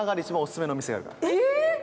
えっ！？